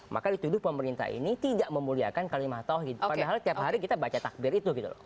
maka dituduh pemerintah ini tidak memuliakan kalimat tawhid padahal tiap hari kita baca takbir itu gitu loh